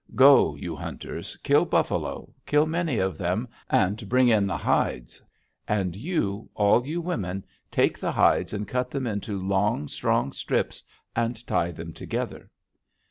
Go, you hunters, kill buffalo, kill many of them, and bring in the hides. And you, all you women, take the hides and cut them into long, strong strips and tie them together.'